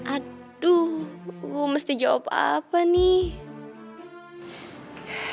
aduh gue mesti jawab apa nih